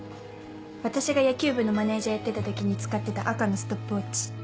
私が野球部のマネジャーやってた時に使ってた赤のストップウオッチ。